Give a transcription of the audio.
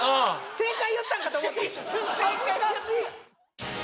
正解言ったんかと思って恥ずかしい！